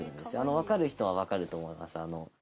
わかる人はわかると思います。